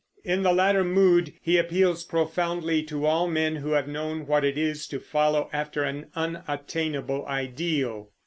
In the latter mood he appeals profoundly to all men who have known what it is to follow after an unattainable ideal.